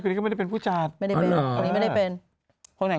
คือนี้ก็ไม่ได้เป็นผู้จัดไม่ได้เป็นคนนี้ไม่ได้เป็นเพราะไหน